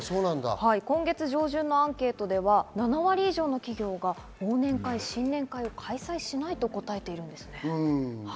今月上旬のアンケートでは７割以上の企業が忘年会、新年会を開催しないと答えています。